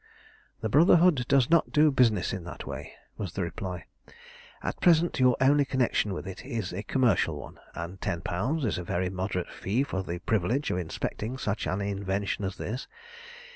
"The Brotherhood does not do business in that way," was the reply. "At present your only connection with it is a commercial one, and ten pounds is a very moderate fee for the privilege of inspecting such an invention as this.